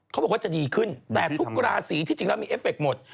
เขาบอกว่าจะดีขึ้นแต่ทุกราศีที่จริงแล้วมีเอฟเคหมด